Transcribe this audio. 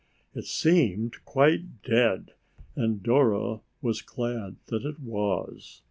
It seemed quite dead and Dora was glad that it was.